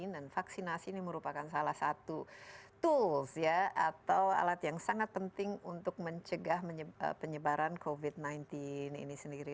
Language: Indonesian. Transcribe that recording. dan vaksinasi ini merupakan salah satu tools ya atau alat yang sangat penting untuk mencegah penyebaran covid sembilan belas ini sendiri